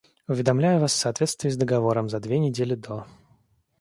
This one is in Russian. Уведомляю вас в соответствии с договором за две недели до.